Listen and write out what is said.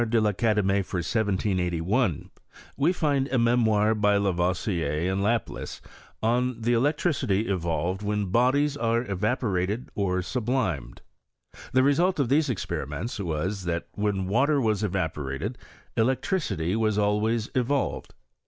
de I'Academie, for 1781, we find a memoir by Lavoisier and Laplace, on the elec tricity evolved when bodies are evaporated or sub limed. The result of these experiments wa«, that when water was evaporated electricity was always evolved.